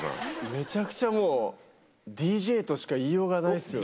めちゃくちゃもう。としか言いようがないですよね。